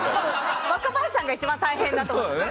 若林さんが一番大変だと思う。